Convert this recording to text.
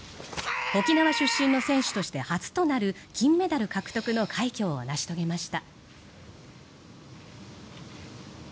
沖縄出身の選手として初となる金メダル獲得の快挙を成し遂げました。